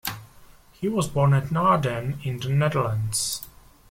He was born at Naarden in the Netherlands.